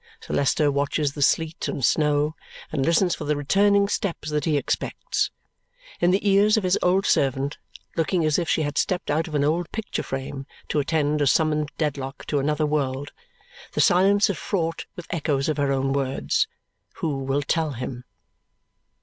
Sir Leicester watches the sleet and snow and listens for the returning steps that he expects. In the ears of his old servant, looking as if she had stepped out of an old picture frame to attend a summoned Dedlock to another world, the silence is fraught with echoes of her own words, "Who will tell him!"